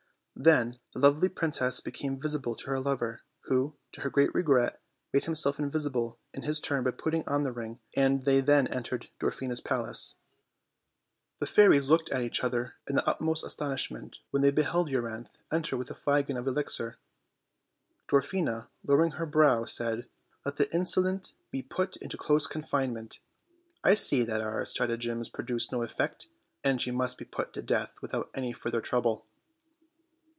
Then the lovely princess became visible to her lover, who, to her great regret, made him self invisible in his turn by putting on the ring, and they then entered Dwarfina's palace. The fairies looked at each other in the utmost astonish ment when they beheld Euryanthe enter with the flagon of elixir. Dwarfina, lowering her brow, said: "Let the insolent be put into close confinement. I see that our stratagems produce no effect, and she must be put to death without any further trouble."